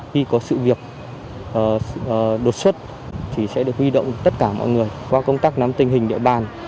khi có sự việc đột xuất sẽ được huy động tất cả mọi người qua công tác nắm tình hình địa bàn